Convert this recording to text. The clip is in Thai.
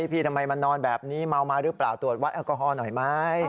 ทำไมมันนอนแบบนี้เมามาหรือเปล่าตรวจวัดแอลกอฮอลหน่อยไหม